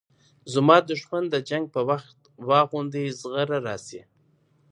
زما دښمن د جنګ په وخت واغوندي زغره راسي